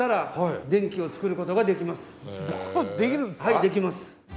はいできます。